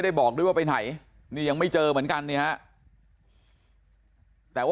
แล้วก็ยัดลงถังสีฟ้าขนาด๒๐๐ลิตร